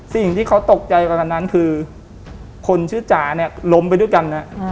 สิ่งที่เขาตกใจกว่านั้นคือคนชื่อจ๋าเนี่ยล้มไปด้วยกันนะ